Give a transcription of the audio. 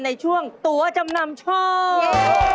ในช่วงตัวจำนำช่อง